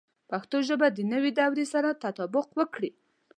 پښتو ژبه د نوي دور سره تطابق وکړي.